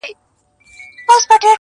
کوچي نکلونه، د آدم او دُرخانۍ سندري!.